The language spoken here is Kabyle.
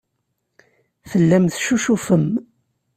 Tellam teccucufem.